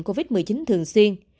covid một mươi chín thường xuyên